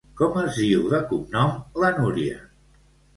Com es diu de cognom la Núria?